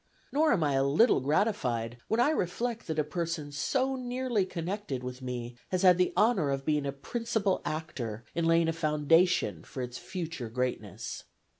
Nor am I a little gratified when I reflect that a person so nearly connected with me has had the honor of being a principal actor in laying a foundation for its future greatness.